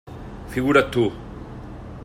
Figura't tu!